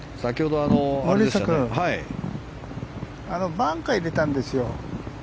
森下君バンカーに入れたんですよ。